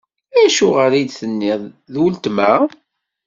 Acuɣer i d-tenniḍ: D weltma?